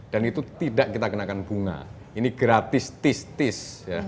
dan itu tidak kita kenakan bunga ini gratis tis tis